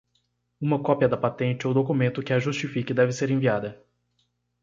Uma cópia da patente ou documento que a justifique deve ser enviada.